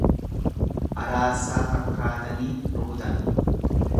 Araarsaa fakkaatanii rukutan.